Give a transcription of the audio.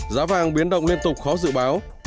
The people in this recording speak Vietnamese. giá vàng biến động liên tục khó dự báo